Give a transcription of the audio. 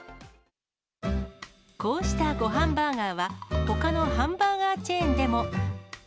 こうしたごはんバーガーは、ほかのハンバーガーチェーンでも。